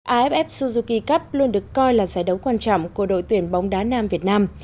aff suzuki cup luôn được coi là giải đấu quan trọng của đội tuyển bóng đá nam việt nam